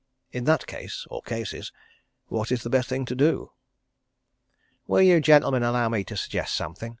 In that case or cases what is the best thing to do?" "Will you gentlemen allow me to suggest something?"